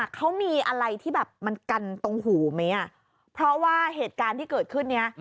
เขามีอะไรที่แบบมันกันตรงหูไหมอ่ะเพราะว่าเหตุการณ์ที่เกิดขึ้นเนี้ย